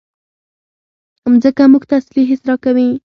مځکه موږ ته اصلي حس راکوي.